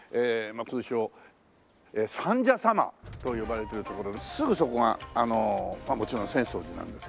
通称三社様と呼ばれてる所ですぐそこがもちろん浅草寺なんですけど。